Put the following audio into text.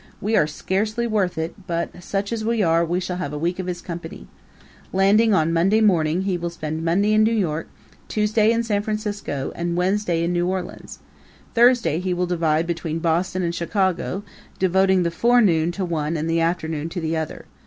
We are scarcely worth it, but, such as we are, we shall have a week of his company! Landing on Monday morning, he will spend Monday in New York, Tuesday in San Francisco, and Wednesday in New Orleans. Thursday he will divide between Boston and Chicago, devoting the forenoon to one and the afternoon to the other.